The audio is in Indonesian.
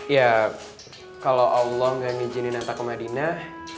ya kalau allah nggak ngijinin nata ke madinah